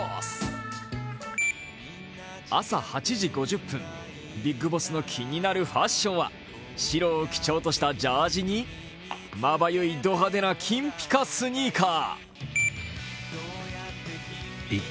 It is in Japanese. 朝８時５０分、ビッグボスの気になるファッションは白を基調としたジャージにまばゆいド派手な金ピカスニーカー。